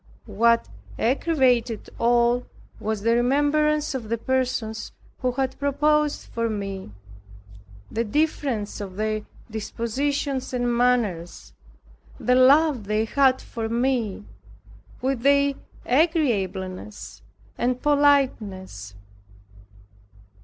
What aggravated all was the remembrance of the persons who had proposed for me, the difference of their dispositions and manners, the love they had for me, with their agreeableness and politeness.